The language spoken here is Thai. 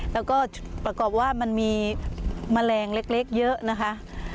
แล้วก็ประกอบว่ามันมีแมลงเล็กเยอะนะคะ